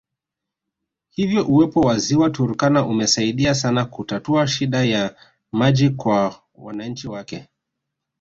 Hivyo uwepo wa Ziwa Turkana imesaidia sana kutatua shida ya maji kwa wananchi wake